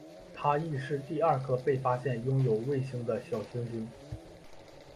它亦是第二颗被发现拥有卫星的小行星。